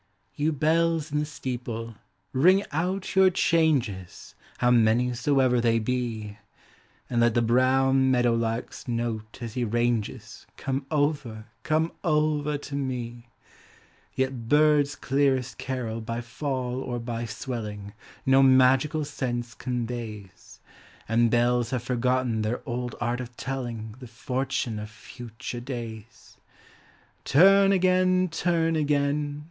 Yor bells in the steeple, ring out your changes, How many soever they be. And let the brown meadow lark's note as he ranges Come over, come over to me. Yet birds' clearest carol by fall or by swelling No magical sense conveys. And bells have forgotten their old art of telling The fortune of future days. *' Turn again, turn again."